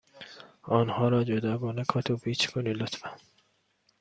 آنها را جداگانه کادو پیچ کنید، لطفا.